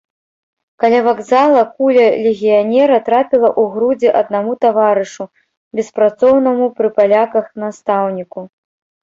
Каля вакзала куля легіянера трапіла ў грудзі аднаму таварышу, беспрацоўнаму пры паляках настаўніку.